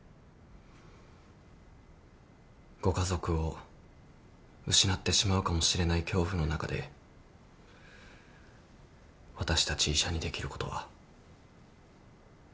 ご家族を失ってしまうかもしれない恐怖の中で私たち医者にできることはほとんどないのかもしれません。